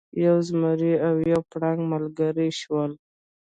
یو زمری او یو پړانګ ملګري شول.